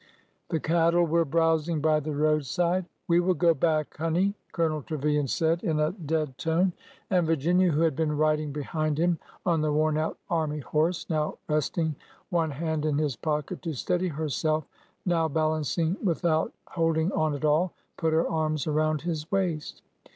The cattle were browsing by the roadside. We will go back, honey," Colonel Trevilian said, in a 292 ORDER NO. 11 dead tone. And Virginia, who had been riding behind him on the worn out army horse, now resting one hand in his pocket to steady herself, now balancing without holding on at all, put her arms around his waist.